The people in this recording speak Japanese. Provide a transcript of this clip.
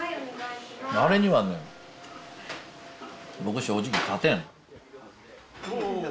あれにはね僕正直勝てん。